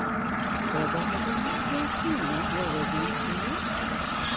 ほどほどにしておくのがようござんすよ。